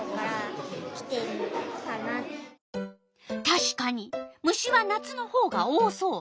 たしかに虫は夏のほうが多そう。